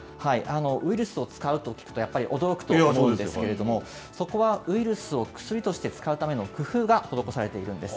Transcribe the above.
ウイルスを使うと聞くとやっぱり驚くと思うんですけれども、そこは、ウイルスを薬として使うための工夫が施されているんです。